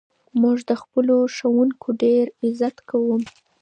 موږ د خپلو ښوونکو ډېر عزت کوو.